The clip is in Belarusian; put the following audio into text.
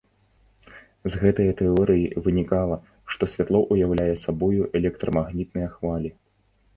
З гэтае тэорыі вынікала, што святло ўяўляе сабою электрамагнітныя хвалі.